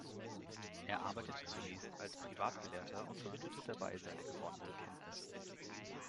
Er arbeitete zunächst als Privatgelehrter und vermittelte dabei seine gewonnenen Kenntnisse.